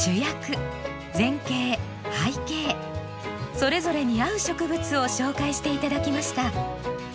それぞれに合う植物を紹介していただきました。